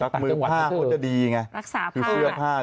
เออแล้วซักมือผ้าเขาจะดีไงรักษาผ้ารักษาผ้าจะรักษาผ้า